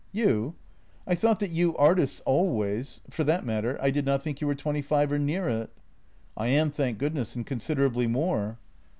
"You? I thought that you artists always. ... For that matter, I did not think you were twenty five or near it." " I am, thank goodness, and considerably more."